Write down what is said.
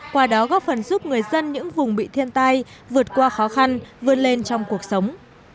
qua đó góp phần giúp người dân những vùng bị thiên tai vượt qua khó khăn vươn lên trong cuộc sống